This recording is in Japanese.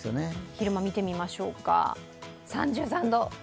昼間見てみましょうか、３３度。